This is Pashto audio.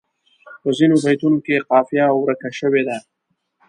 په ځینو بیتونو کې قافیه ورکه شوې ده.